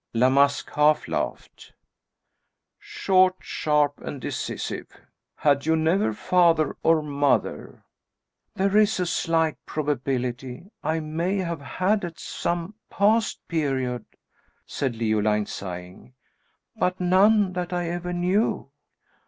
La Masque half laughed. "Short, sharp, and decisive. Had you never father or mother?" "There is a slight probability I may have had at some past period," said Leoline, sighing; "but none that I ever knew."